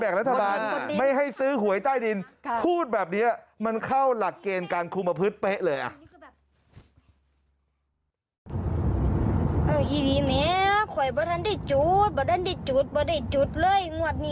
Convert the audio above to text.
รัฐบาลไม่ให้ซื้อหวยใต้ดินพูดแบบนี้มันเข้าหลักเกณฑ์การคุมประพฤติเป๊ะเลยอ่ะ